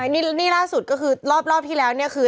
นี่ล่าสุดก็คือรอบที่แล้วเนี่ยคือ